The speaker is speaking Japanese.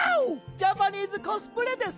ジャパニーズコスプレですね！